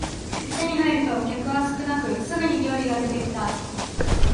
店に入ると客は少なくすぐに料理が出てきた